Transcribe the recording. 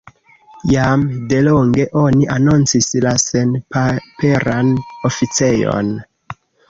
Jam delonge oni anoncis la senpaperan oficejon.